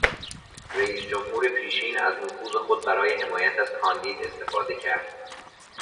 رییس جمهور پیشین از نفوذ خود برای حمایت از کاندید استفاده کرد.